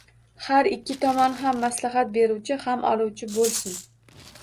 Har ikki tomon ham maslahat beruvchi, ham oluvchi bo‘lsin.